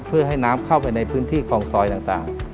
เพื่อให้น้ำเข้าไปในพื้นที่ของซอยต่าง